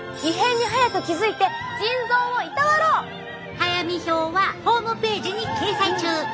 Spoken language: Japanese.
早見表はホームページに掲載中！